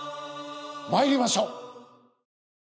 まいりましょう！